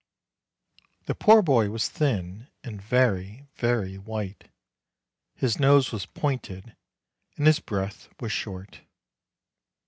The poor boy was thin and very, very white; his nose was pointed, and his breath was short.